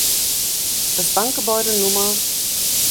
Das Bankgebäude Nr.